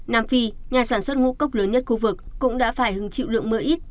nam phi nhà sản xuất ngũ cốc lớn nhất khu vực cũng đã phải hứng chịu lượng mưa ít